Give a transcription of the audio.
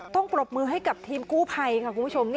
ปรบมือให้กับทีมกู้ภัยค่ะคุณผู้ชม